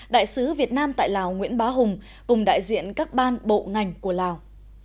đại sứ việt nam tại lào nguyễn bá hùng cùng đại diện các ban bộ ngành của lào